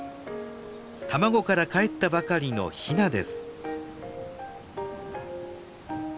卵からかえったばかりのヒナです。